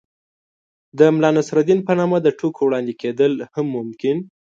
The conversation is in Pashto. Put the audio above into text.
د ملا نصر الدين په نامه د ټوکو وړاندې کېدل هم ممکن